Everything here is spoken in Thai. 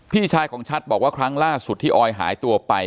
พี่ชายของชัดบอกว่าครั้งล่าสุดที่ออยหายตัวไป